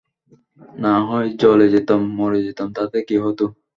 না হয় জ্বলে যেতাম, মরে যেতাম, তাতে কি হতো?